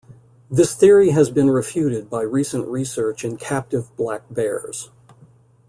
This theory has been refuted by recent research in captive black bears.